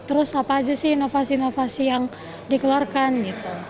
terus apa aja sih inovasi inovasi yang dikeluarkan gitu